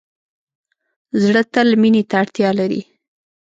زړه تل مینې ته اړتیا لري.